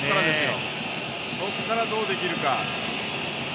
ここからどうできるか。